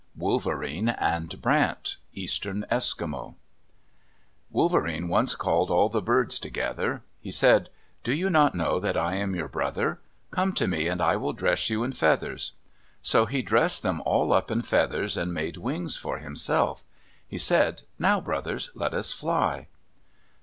WOLVERENE AND BRANT Eastern Eskimo Wolverene once called all the birds together. He said, "Do you not know that I am your brother? Come to me and I will dress you in feathers." So he dressed them all up in feathers, and made wings for himself. He said, "Now, brothers, let us fly."